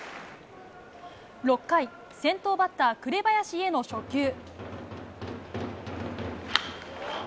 ６回、先頭バッター、紅林への初球。